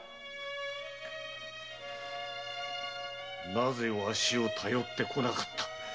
なぜわしを頼ってこなかった。